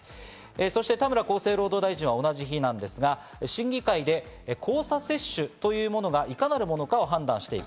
そして田村厚生労働大臣は同じ日、審議会で交差接種というものがいかなるものかを判断していく。